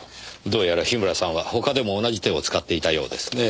どうやら樋村さんは他でも同じ手を使っていたようですね。